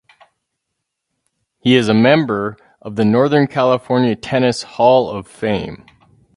He is a member of the Northern California Tennis Hall of Fame.